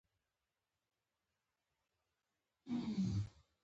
دوی له زرغون هلال څخه غلې، حیوانات او نوښتونه خپاره کړي.